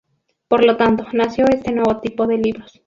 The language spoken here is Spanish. Por lo tanto, nació este nuevo tipo de libros.